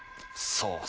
そう。